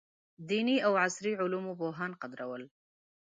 دیني او عصري علومو پوهان قدرول.